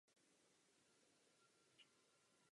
O pořadu jednání hlasujeme vždy v pondělí.